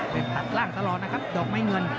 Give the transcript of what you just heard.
ตัดล่างตลอดนะครับดอกไม้เงิน